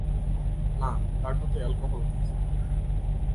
না, তারটাতে এলকোহল নেই।